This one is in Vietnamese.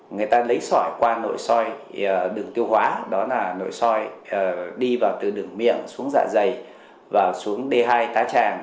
người ta lấy sỏi qua nội soi đường tiêu hóa đó là nội soi đi vào từ đường miệng xuống dạ dày và xuống d hai cá tràng